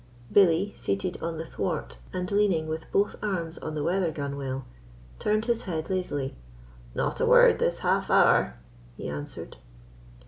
Billy, seated on the thwart and leaning with both arms on the weather gunwale, turned his head lazily. "Not a word this half hour," he answered.